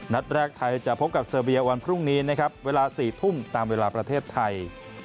นัดแรกไทยจะพบกับเซอร์เบียวันพรุ่งนี้นะครับเวลา๔ทุ่มตามเวลาประเทศไทย